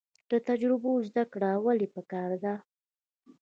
له تجربو زده کړه ولې پکار ده؟